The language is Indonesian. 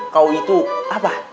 kau itu apa